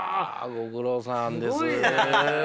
「ご苦労さんです」。